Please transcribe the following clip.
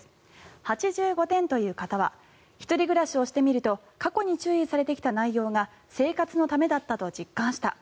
８５点という方は１人暮らしをしてみると過去に注意されてきた内容が生活のためだったと実感した。